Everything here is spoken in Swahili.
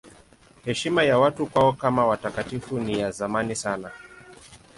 Heshima ya watu kwao kama watakatifu ni ya zamani sana.